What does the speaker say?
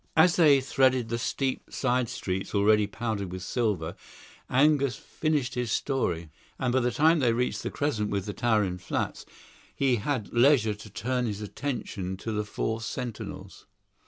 As they threaded the steep side streets already powdered with silver, Angus finished his story; and by the time they reached the crescent with the towering flats, he had leisure to turn his attention to the four sentinels.